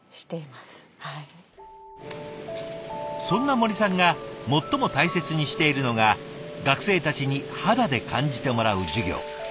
そんな森さんが最も大切にしているのが学生たちに肌で感じてもらう授業。